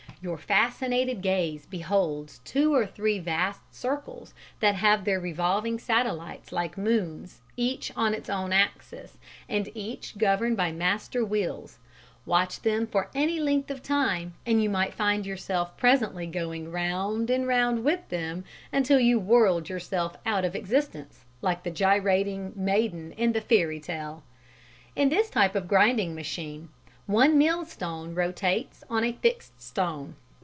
Your fascinated gaze beholds "two or three vast circles, that have their revolving satellites like moons, each on its own axis, and each governed by master wheels. Watch them for any length of time and you might find yourself presently going round and round with them until you whirled yourself out of existence, like the gyrating maiden in the fairy tale." In this type of grinding machine one mill stone rotates on a fixed stone.